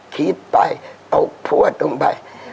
คิดไปตกพวดลงไป